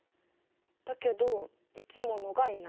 だけど生き物がいない。